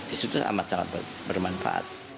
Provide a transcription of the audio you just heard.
itu amat sangat bermanfaat